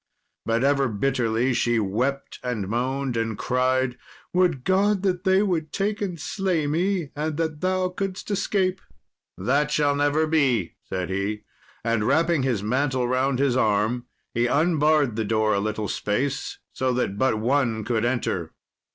But ever bitterly she wept and moaned, and cried, "Would God that they would take and slay me, and that thou couldest escape." "That shall never be," said he. And wrapping his mantle round his arm he unbarred the door a little space, so that but one could enter.